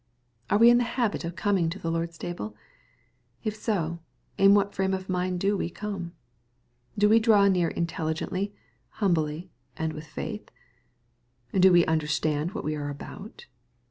Are we in the habit of coming to the Lord's table ? If so, in what frame of mind do we come ? Do we draw near intelligently, humbly, and with faith ? Do we understand what we are about